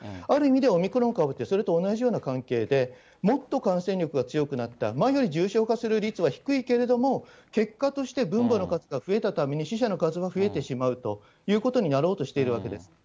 ある意味では、オミクロン株っていうのはそれと同じような環境で、もっと感染力が強くなった、前より重症化する率は低いけれども、結果として、分母の数が増えたために死者の数が増えてしまうということになろうとしているわけです。